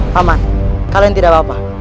paman kalian tidak apa apa